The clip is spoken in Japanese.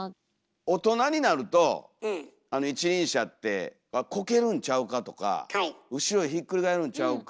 大人になると一輪車って「コケるんちゃうか」とか「後ろへひっくり返るんちゃうか」